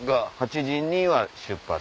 ８時には出発。